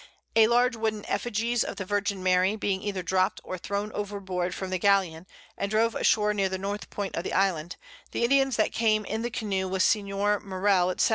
A large wooden Effigies of the Virgin Mary being either dropt or thrown over board, from the Galeon, and drove ashoar near the North Point of the Island, the Indians that came in the Canoes with Senior Morell, _&c.